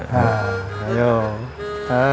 yang pasti tau umiknya